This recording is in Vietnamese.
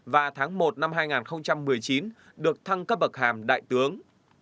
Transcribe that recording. và tháng một năm hai nghìn một mươi chín được thăng cấp bậc hàm đại tướng